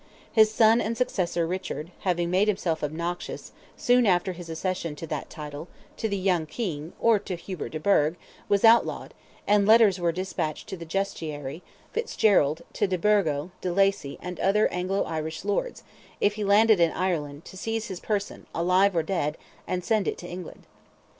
His son and successor Richard, having made himself obnoxious, soon after his accession to that title, to the young King, or to Hubert de Burgh, was outlawed, and letters were despatched to the Justiciary, Fitzgerald, to de Burgo, de Lacy, and other Anglo Irish lords, if he landed in Ireland, to seize his person, alive or dead, and send it to England.